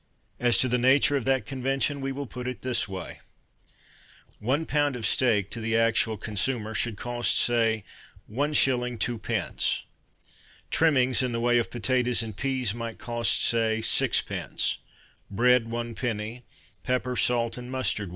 As to the nature of that convention We will put it this way: One pound of steak To the actual consumer Should cost, say, 1s. 2d. Trimmings In the way of potatoes and peas might cost, say, 6d., Bread, 1d., Pepper, salt, and mustard, 1d.